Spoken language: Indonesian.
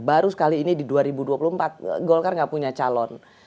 baru sekali ini di dua ribu dua puluh empat golkar gak punya calon